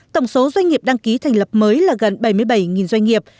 tổng số doanh nghiệp đăng ký thành lập mới là gần bảy mươi bảy doanh nghiệp